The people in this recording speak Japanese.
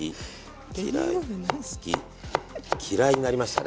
嫌いになりましたね。